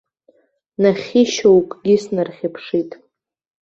Нахьхьи шьоукгьы снархьыԥшит.